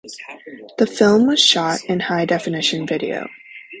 The film was shot in high-definition video.